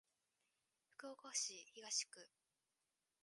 福岡市東区